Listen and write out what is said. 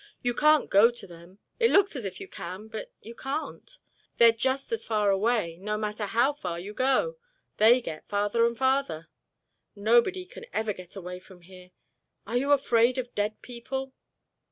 You can't go to them. It looks as if you can, but you can't. They're just as far away, no matter how far you go—they get farther and farther. Nobody can ever get away from here. Are you afraid of dead people?"